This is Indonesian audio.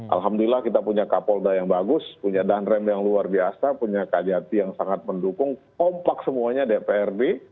alhamdulillah kita punya kapolda yang bagus punya danrem yang luar biasa punya kajati yang sangat mendukung kompak semuanya dprd